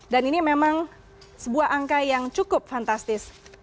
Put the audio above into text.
dan ini memang sebuah angka yang cukup fantastis